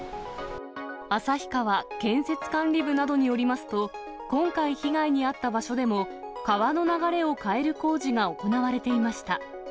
旭川建設管理部などによりますと、今回被害に遭った場所でも、川の流れを変える工事が行われていました。